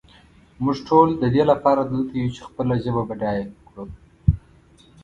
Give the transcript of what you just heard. مونږ ټول ددې لپاره دلته یو چې خپله ژبه بډایه کړو.